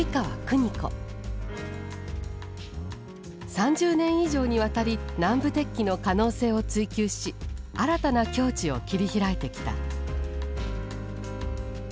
３０年以上にわたり南部鉄器の可能性を追求し新たな境地を切り開いてきた。